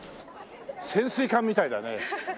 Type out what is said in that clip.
潜水艦みたいだねえ。